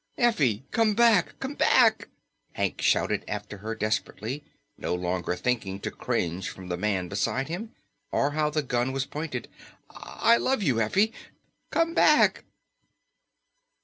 "Effie, come back! Come back!" Hank shouted after her desperately, no longer thinking to cringe from the man beside him, or how the gun was pointed. "I love you, Effie. Come back!"